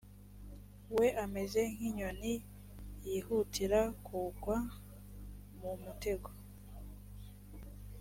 we ameze nk inyoni yihutira kugwa mu mutego